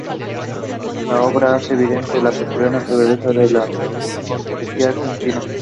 La obra hace evidente la peculiar naturaleza de la oligarquía argentina.